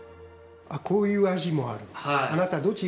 こういう味もある